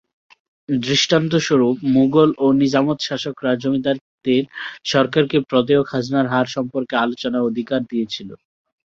দৃষ্টান্তস্বরূপ, মুগল ও নিজামত শাসকরা জমিদারদের সরকারকে প্রদেয় খাজনার হার সম্পর্কে আলোচনার অধিকার দিয়েছিল।